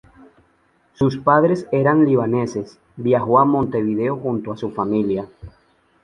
Sus padres eran libaneses, viajó a Montevideo junto a su familia.